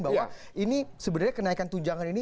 bahwa ini sebenarnya kenaikan tunjangan ini